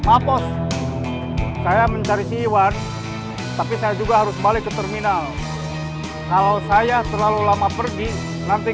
apos saya mencari si one tapi saya juga harus balik ke terminal kalau saya terlalu lama pergi nanti